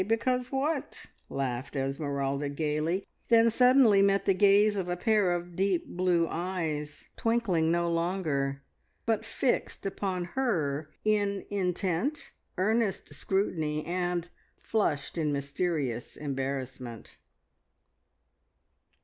Because what?" laughed Esmeralda gaily, then suddenly met the gaze of a pair of deep blue eyes, twinkling no longer, but fixed upon her in intent, earnest scrutiny, and flushed in mysterious embarrassment.